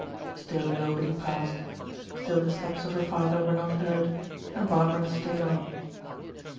Still nobody passed; still the steps of her father were not heard, and Barbara stayed on.